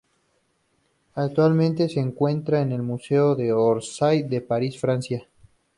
Actualmente, se encuentra en el Museo de Orsay, de París, Francia.